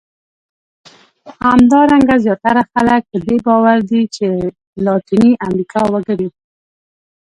همدارنګه زیاتره خلک په دې باور دي چې لاتیني امریکا وګړي.